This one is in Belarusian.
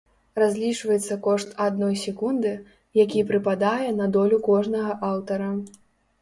Разлічваецца кошт адной секунды, які прыпадае на долю кожнага аўтара.